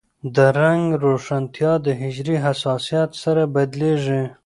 د رنګ روښانتیا د حجرې حساسیت سره بدلېږي.